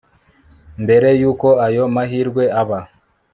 mbere yuko ayo mahirwe aba